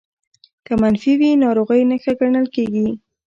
که منفي وي ناروغۍ نښه ګڼل کېږي